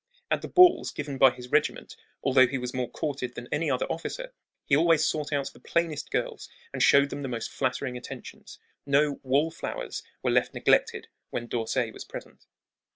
At the balls given by his regiment, although he was more courted than any other officer, he always sought out the plainest girls and showed them the most flattering attentions. No "wallflowers" were left neglected when D'Orsay was present.